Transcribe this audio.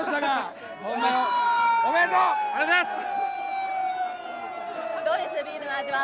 マジでありがとうございます。